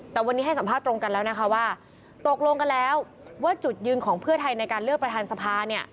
แต่วันนี้ให้สัมภาษณ์ตรงกันแล้วนะคะว่าตกลงกันแล้วว่าจุดยืนของเพื่อไทยในการเลือกประธานสภาเนี่ย